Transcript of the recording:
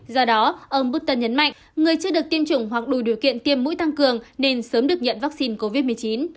do đó ông busta nhấn mạnh người chưa được tiêm chủng hoặc đủ điều kiện tiêm mũi tăng cường nên sớm được nhận vaccine covid một mươi chín